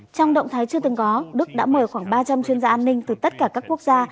trong động thái chưa từng có đức đã mời khoảng ba trăm linh chuyên gia an ninh từ tất cả các quốc gia